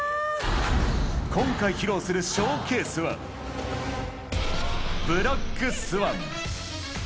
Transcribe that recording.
今回披露するショーケースは、ブラック・スワン。